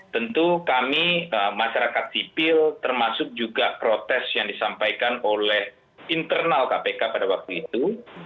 tentu kami masyarakat sipil termasuk juga protes yang disampaikan oleh internal kpk pada waktu itu